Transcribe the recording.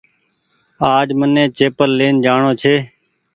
آج مني چيپل لين جآڻو ڇي